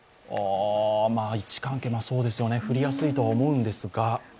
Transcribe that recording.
位置関係、そうですよね、降りやすいとは思うんですが。